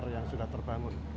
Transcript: yang sudah terbangun